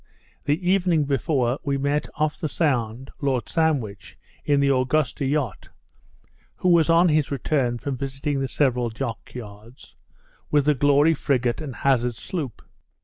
The evening before, we met, off the Sound, Lord Sandwich, in the Augusta yacht, (who was on his return from visiting the several dock yards,) with the Glory frigate and Hazard sloop.